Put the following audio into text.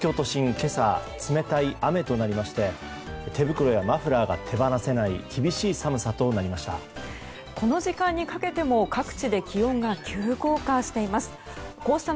今朝冷たい雨となりまして手袋やマフラーが手放せない厳しい寒さとなりました。